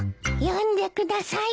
読んでください。